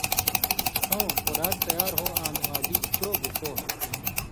کھؤں (خُوراک) تیار ہو آں نِوان٘زی چو بُوڇھو ہو،